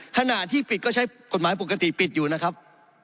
ขณะที่ปิดก็ใช้กฎหมายปกติปิดอยู่นะครับ